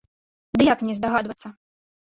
Ды як не здагадвацца?